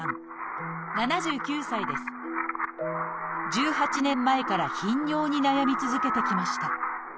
１８年前から頻尿に悩み続けてきました。